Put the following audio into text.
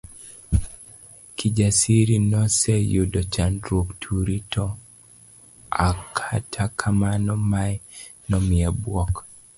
Kijasiri noseyudo chandruok turi, to akata kamano mae nomiye buok.